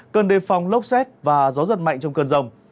cần đề phòng lốc xét và gió giật mạnh trong cơn rông